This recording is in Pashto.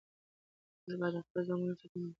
موږ باید د خپلو ځنګلونو ساتنه وکړو.